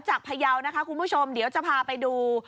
พยาวนะคะคุณผู้ชมเดี๋ยวจะพาไปดู